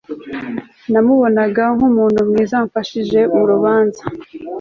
namubonaga nkununtu mwiza wamfashije no murubanza